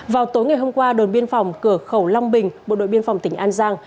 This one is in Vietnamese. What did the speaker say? vào tối ngày hôm qua đồn biên phòng cửa khẩu long bình bộ đội biên phòng tỉnh an giang